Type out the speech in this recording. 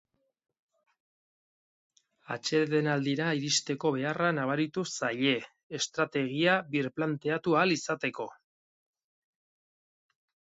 Atsedenaldira iristeko beharra nabaritu zaie, estrategia birplanteatu ahal izateko.